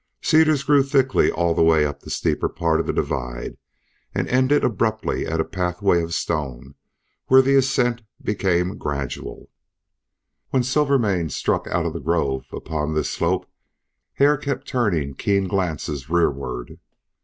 Cedars grew thickly all the way up the steeper part of the divide, and ended abruptly at a pathway of stone, where the ascent became gradual. When Silvermane struck out of the grove upon this slope Hare kept turning keen glances rearward.